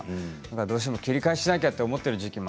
どうしても切り替えしなきゃと思っている時期も